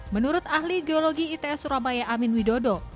menurut ahli geologi its surabaya amin widodo